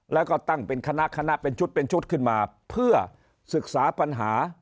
แล้วก็ตั้งเป็นคณะคณะเป็นชุดเป็นชุดขึ้นมาเพื่อศึกษาปัญหา